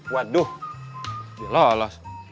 waduh dia lolos